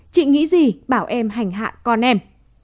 chị nghĩ gì bảo em hành hạ con em